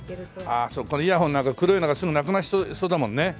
ああそうイヤホンなんか黒いのがすぐなくなりそうだもんね。